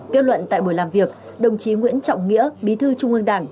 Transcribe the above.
kết luận tại buổi làm việc đồng chí nguyễn trọng nghĩa bí thư trung ương đảng